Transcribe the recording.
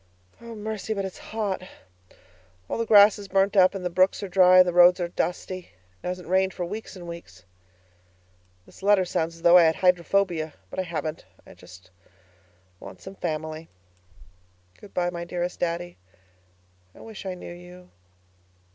Mercy! but it's hot. All the grass is burnt up and the brooks are dry and the roads are dusty. It hasn't rained for weeks and weeks. This letter sounds as though I had hydrophobia, but I haven't. I just want some family. Goodbye, my dearest Daddy. I wish I knew you.